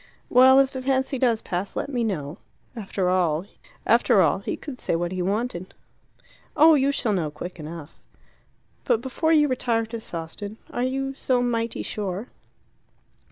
"Well, if the fancy does pass, let me know." After all, he could say what he wanted. "Oh, you shall know quick enough " "But before you retire to Sawston are you so mighty sure?"